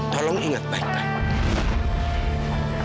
tolong ingat baik baik